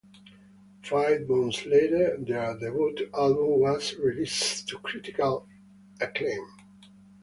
Five months later, their debut album was released to critical acclaim.